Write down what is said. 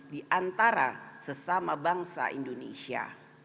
di antara sesama bangsa indonesia